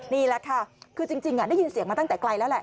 นี่แหละค่ะคือจริงได้ยินเสียงมาตั้งแต่ไกลแล้วแหละ